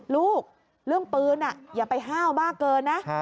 ลูกเรื่องปืนอย่าไปห้าวบ้าเกินนะ